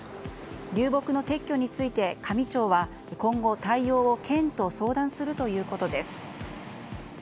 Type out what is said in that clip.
流木の撤去について香美町は今後、対応を県と相談するということです。